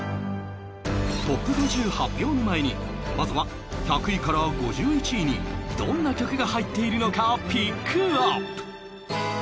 ＴＯＰ５０ 発表の前にまずは１００位から５１位にどんな曲が入っているのかピックアップ